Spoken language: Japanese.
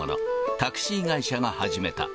タクシー会社が始めた。